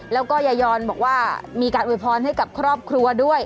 แล้วก็ยายอนบอกว่ามีการอวยพรให้กับครอบครัวด้วย